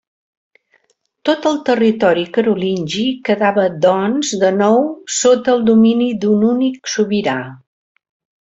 Tot el territori carolingi quedava, doncs, de nou sota el domini d'un únic sobirà.